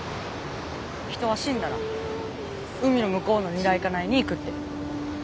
人は死んだら海の向こうのニライカナイに行くって。